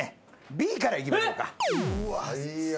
Ｂからいきましょう。